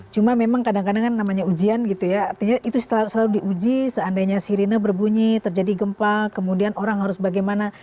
cuman memang kadang kadang enang namanya ujian gitu ya berarti itu salah selalu di uji seandainya sirine berbunyi terjadi gempa kemudian orang harus bagaimana